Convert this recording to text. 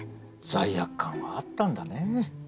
罪悪感はあったんだねえ。